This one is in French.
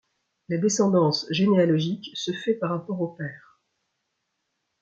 La descendance généalogique se fait par rapport au père.